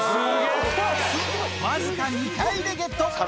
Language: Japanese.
わずか２回でゲット